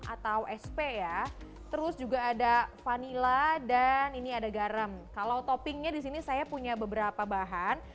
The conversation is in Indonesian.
atau sp ya terus juga ada vanila dan ini ada garam kalau toppingnya disini saya punya beberapa bahan